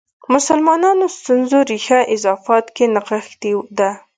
مسلمانانو ستونزو ریښه اضافات کې نغښې ده.